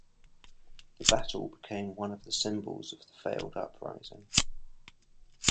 The battle became one of the symbols of the failed uprising.